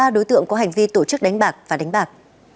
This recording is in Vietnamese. ba đối tượng có hành vi tổ chức đánh bạc và đánh bạc